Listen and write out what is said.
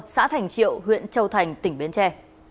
xã thành triệu huyện châu thành tỉnh biến tre